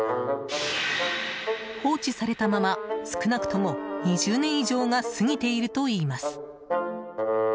放置されたまま少なくとも２０年以上が過ぎているといいます。